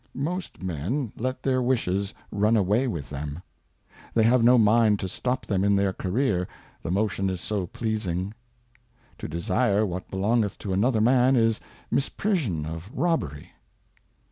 Most Men let their Wishes run away with them. They have no mind to stop them in their Career, the Motion is so pleasing. To desire what belongeth to another Man is Misprision of Robbery.